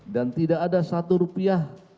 dan tidak ada satu rupiah